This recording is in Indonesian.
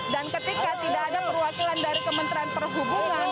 dan ketika tidak ada perwakilan dari kementerian perhubungan